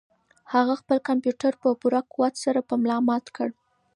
هغه خپل کمپیوټر په پوره قوت سره په ملا مات کړ.